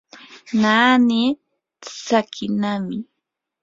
naani tsakinami.